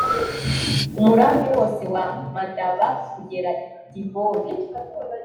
umurambi wose wa madaba kugera i diboni